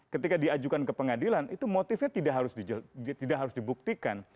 ketika diajukan ke pengadilan itu motifnya tidak harus dibuktikan